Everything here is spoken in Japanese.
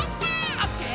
「オッケー！